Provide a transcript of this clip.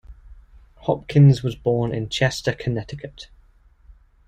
Hopkins was born in Chester, Connecticut.